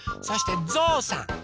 そしてぞうさん。